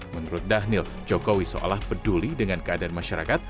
menurut dhanil jokowi seolah peduli dengan keadaan masyarakat